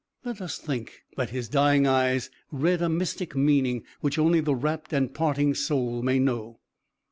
Let us think that his dying eyes read a mystic meaning which only the rapt and parting soul may know.